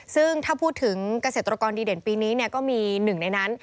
ซึ่งถ้าพูดถึงเกษตรกรดีเด่นปีนี้ก็มีหนึ่งในนั้น